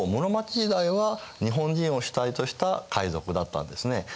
室町時代は日本人を主体とした海賊だったんですね。